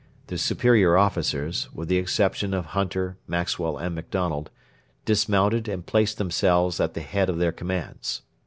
The superior officers with the exception of Hunter, Maxwell, and MacDonald dismounted and placed themselves at the head of their commands.